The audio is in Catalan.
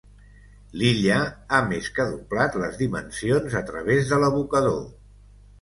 L'illa ha més que doblat les dimensions a través de l'abocador.